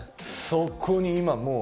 そこに今もう。